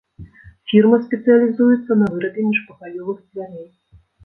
Фірма спецыялізуецца на вырабе міжпакаёвых дзвярэй.